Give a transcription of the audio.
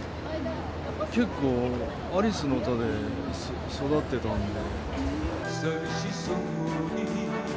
結構、アリスの歌で育ってたんで。